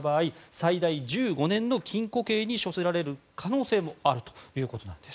最大１５年の禁固刑に処せられる可能性もあるということなんです。